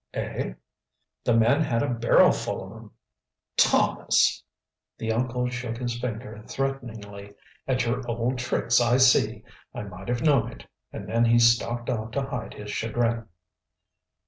"Eh?" "The men had a barrel full of 'em." "Thomas!" The uncle shook his finger threateningly. "At your old tricks, I see. I might have known it." And then he stalked off to hide his chagrin.